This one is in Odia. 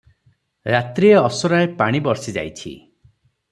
ରାତିରେ ଅସ୍ରାଏ ପାଣି ବର୍ଷିଯାଇଛି ।